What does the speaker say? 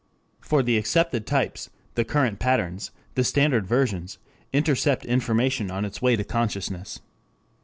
For the accepted types, the current patterns, the standard versions, intercept information on its way to consciousness.